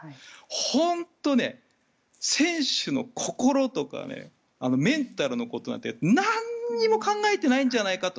本当に選手の心とかメンタルのことなんて何も考えてないんじゃないかと。